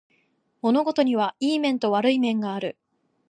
物事にはいい面と悪い面がある